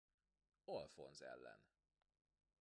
Alfonz ellen.